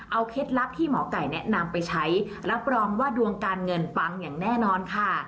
เอาเคล็ดลับที่หมอไก่แนะนำไปใช้รับรองว่าดวงการเงินปังอย่างแน่นอนค่ะ